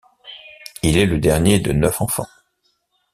Il est le dernier de neuf enfants.